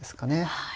はい。